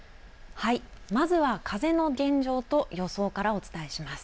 まずは風の現状と予想からお伝えします。